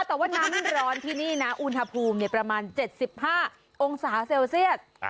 แต่ว่าน้ำร้อนที่นี่นะอุณหภูมิประมาณ๗๕องศาเซลเซียส